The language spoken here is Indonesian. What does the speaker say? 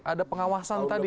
ada pengawasan tadi